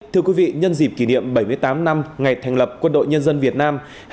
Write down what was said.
thưa quý vị nhân dịp kỷ niệm bảy mươi tám năm ngày thành lập quân đội nhân dân việt nam